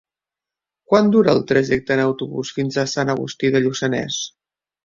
Quant dura el trajecte en autobús fins a Sant Agustí de Lluçanès?